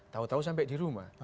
tahu tahu sampai di rumah